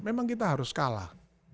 memang kita harus kalah